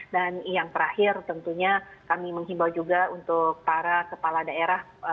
dan yang terakhir tentunya kami menghimbau juga untuk para kepala daerah